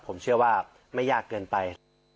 ผมเชื่อว่าไม่ยากเกินไป